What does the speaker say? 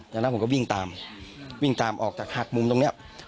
จากนั้นผมก็วิ่งตามวิ่งตามออกจากหักมุมตรงเนี้ย